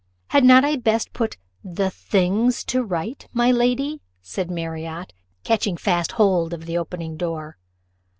"Had not I best put the things to rights, my lady?" said Marriott, catching fast hold of the opening door.